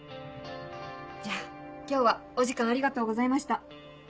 じゃ今日はお時間ありがとうございました。